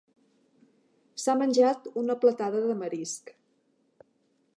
S'ha menjat una platada de marisc.